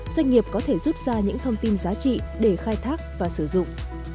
doanh nghiệp có thể rút ra những thông tin giá trị để khai thác và sử dụng